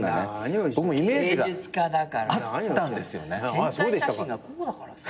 宣材写真がこうだからさ。